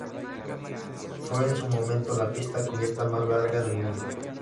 Fue en su momento la pista cubierta más larga del mundo.